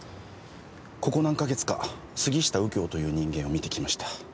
ここ何か月か杉下右京という人間を見てきました。